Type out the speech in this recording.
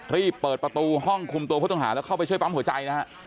รีบเปิดประตูห้องคุมตัวผู้ต้องหาแล้วเข้าไปช่วยปั๊มหัวใจนะฮะ